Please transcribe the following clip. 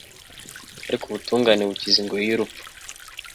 ariko ubutungane bukiza ingoyi y'urupfu